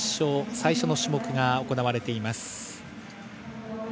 最初の種目が行われています。